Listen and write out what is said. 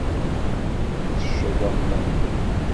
Teccḍem.